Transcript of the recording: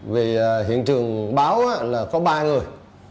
vì hiện trường báo là có ba người